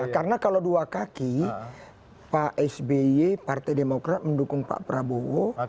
karena kalau dua kaki pak sby partai demokrat mendukung pak prabowo